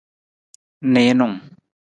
Niinung.